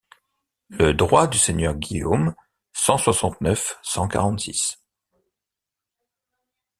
Le droict du seigneur Guillaume cent soixante-neuf cent quarante-six.